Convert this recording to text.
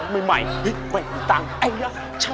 มีใหม่มีตังค์